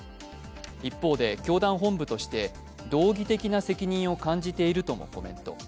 一方で教団本部として道義的な責任を感じているともコメント。